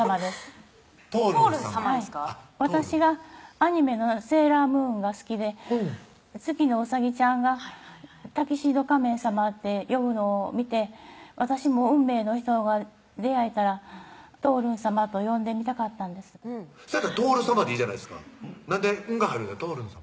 私がアニメのセーラームーンが好きで月野うさぎちゃんが「タキシード仮面様」って呼ぶのを見て私も運命の人が出会えたらとおるん様と呼んでみたかったんですそれやったら徹様でいいじゃないですかなんで「ん」が入るんですか？